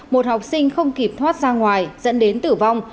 một học sinh không kịp thoát ra ngoài dẫn đến tử vong